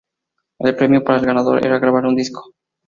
El premio, para el ganador era grabar un disco.